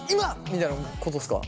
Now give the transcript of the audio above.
みたいなことですか？